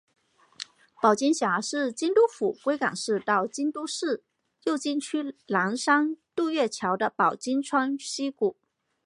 保津峡是京都府龟冈市到京都市右京区岚山渡月桥的保津川溪谷。